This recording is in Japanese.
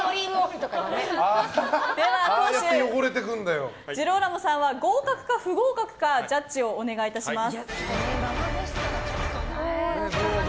では、党首ジローラモさんは合格か不合格かジャッジをお願いします。